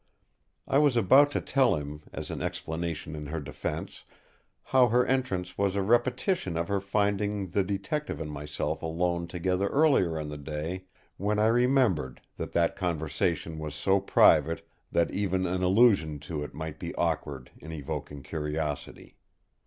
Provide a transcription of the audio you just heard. I was about to tell him, as an explanation in her defence, how her entrance was a repetition of her finding the Detective and myself alone together earlier in the day, when I remembered that that conversation was so private that even an allusion to it might be awkward in evoking curiosity.